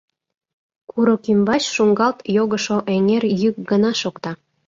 Курык ӱмбач шуҥгалт йогышо эҥер йӱк гына шокта.